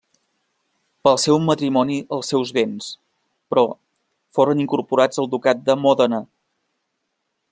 Pel seu matrimoni els seus béns, però, foren incorporats al Ducat de Mòdena.